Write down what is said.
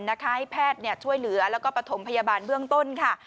ให้แพทย์ช่วยเหลือแล้วก็ประถมพยาบาลเบื้องต้นค่ะ